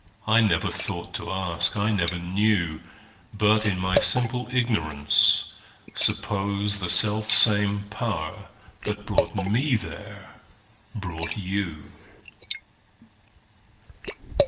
I never thought to ask, I never knew:But, in my simple ignorance, supposeThe self same Power that brought me there brought you.